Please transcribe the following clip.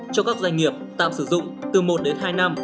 cho các doanh nghiệp tạm sử dụng từ một đến hai năm